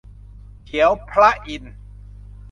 เขียวพระอินทร์